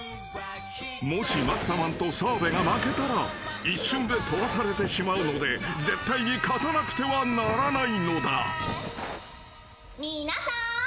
［もしマッサマンと澤部が負けたら一瞬でとばされてしまうので絶対に勝たなくてはならないのだ］